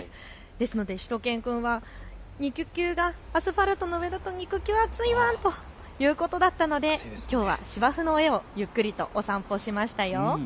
ですのでしゅと犬くんは肉球がアスファルトの上だと熱いワンということだったのできょうは芝生の上をゆっくりとお散歩しましたよ。